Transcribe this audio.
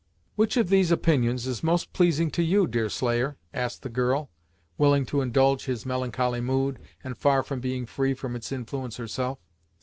"Which of these opinions is most pleasing to you, Deerslayer?" asked the girl, willing to indulge his melancholy mood, and far from being free from its influence herself.